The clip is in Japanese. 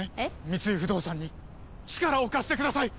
三井不動産に力を貸してください！